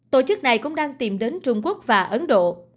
tổ chức này cũng đang tìm đến trung quốc và ấn độ